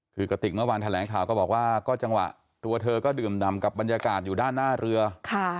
คือกระติกเมื่อวานแถลงข่าวก็บอกว่าก็จังหวะตัวเธอก็ดื่มดำกับบรรยากาศอยู่ด้านหน้าเรือ